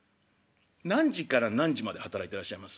「何時から何時まで働いてらっしゃいます？」。